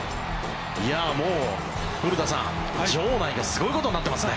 古田さん、場内がすごいことになってますね。